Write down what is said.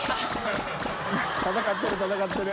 闘ってる闘ってる。